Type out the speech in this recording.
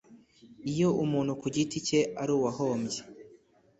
Iyo umuntu ku giti cye ari uwahombye